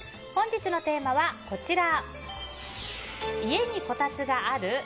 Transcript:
本日のテーマは家にこたつがある？